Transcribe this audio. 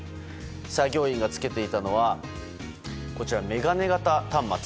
作業員が着けていたのは眼鏡型端末。